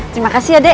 terima kasih ya dek